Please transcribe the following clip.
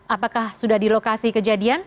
apakah sudah di lokasi kejadian